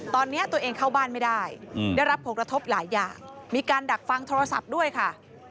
ตอนนี้ตัวเองเข้าบ้านไม่ได้ได้รับผลกระทบหลายอย่างมีการดักฟังโทรศัพท์ด้วยค่ะ